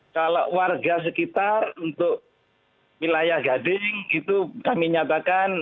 kalau warga sekitar untuk wilayah gading itu kami nyatakan